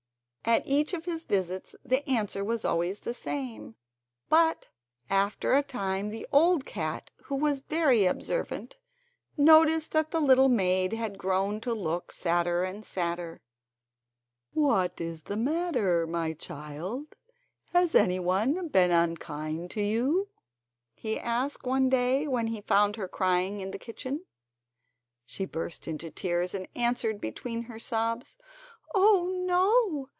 At each of his visits the answer was always the same; but after a time the old cat, who was very observant, noticed that the little maid had grown to look sadder and sadder. "What is the matter, my child has any one been unkind to you?" he asked one day, when he found her crying in her kitchen. She burst into tears and answered between her sobs: "Oh, no!